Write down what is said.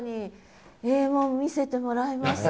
ええもん見せてもらいました。